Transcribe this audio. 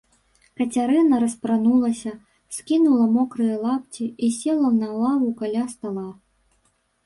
Кацярына распранулася, скінула мокрыя лапці і села на лаву каля стала.